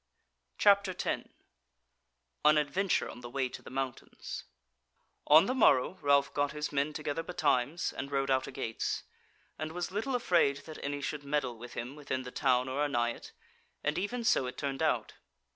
CHAPTER 10 An Adventure on the Way to the Mountains On the morrow Ralph got his men together betimes and rode out a gates, and was little afraid that any should meddle with him within the town or anigh it, and even so it turned out.